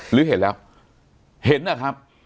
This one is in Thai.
หรือเห็นแล้วเห็นนะครับ